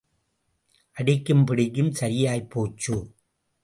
அடிக்கும் பிடிக்கும் சரியாய்ப் போச்சு.